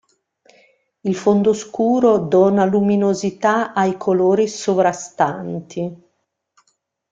Il fondo scuro dona luminosità ai colori sovrastanti.